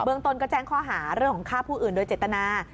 เบื้องตนก็แจ้งข้อหาเรื่องข้าพผู้อื่นโดยเจตนา